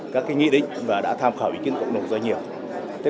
các nghĩ định và đã tham khảo ý kiến cộng đồng do nhiều